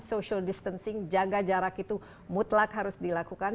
social distancing jaga jarak itu mutlak harus dilakukan